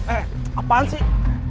eh apaan sih